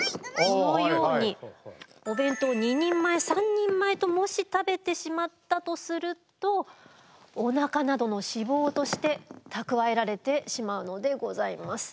このようにお弁当を２人前３人前ともし食べてしまったとするとお腹などの脂肪として蓄えられてしまうのでございます。